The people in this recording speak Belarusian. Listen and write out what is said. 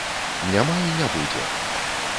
Няма і не будзе.